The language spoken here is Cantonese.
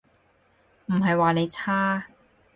唔係話你差